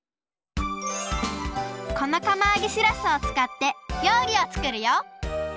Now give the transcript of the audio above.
このかまあげしらすを使って料理を作るよ！